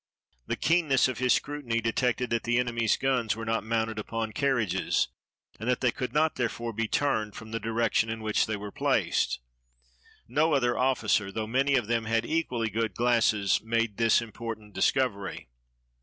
The keenness of his scrutiny de tected that the enemy's guns were not mounted upon carriages, and that they could not, therefore, be turned from the direction in which they were placed. No other officer, though many of them had equally good glasses, made this important discovery.